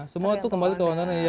semua tuh kembali ke owner nya